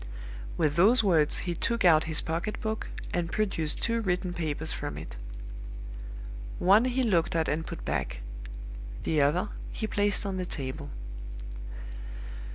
"With those words he took out his pocket book, and produced two written papers from it. One he looked at and put back. The other he placed on the table.